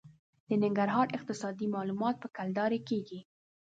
د ننګرهار اقتصادي معاملات په کلدارې کېږي.